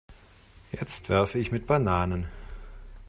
Jetzt werfe ich mit Bananen.